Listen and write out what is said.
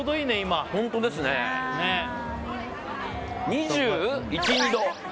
２１２２度。